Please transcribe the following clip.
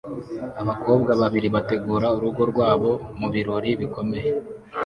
Abakobwa babiri bategura urugo rwabo mu birori bikomeye